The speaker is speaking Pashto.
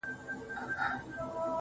خدايه ما وبخښې په دې کار خجالت کومه